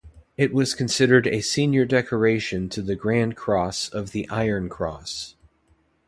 It was considered a senior decoration to the Grand Cross of the Iron Cross.